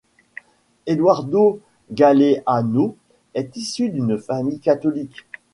Eduardo Galeano est issu d’une famille catholique.